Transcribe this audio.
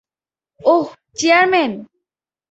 ওহ, chairman!